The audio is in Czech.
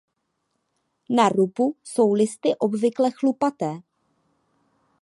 Na rubu jsou listy obvykle chlupaté.